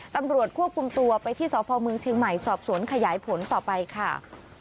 ตำรวจควบคุมตัวไปที่สพเมืองเชียงใหม่สอบสวนขยายผลต่อไปค่ะ